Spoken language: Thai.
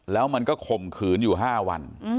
แล้วมันก็ข่มขืนอยู่๕วัน